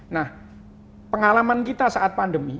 nah pengalaman kita saat pandemi